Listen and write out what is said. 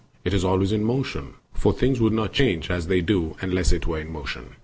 It is always in motion; for things would not change as they do unless it were in motion.